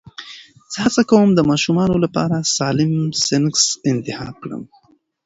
زه هڅه کوم د ماشومانو لپاره سالم سنکس انتخاب کړم.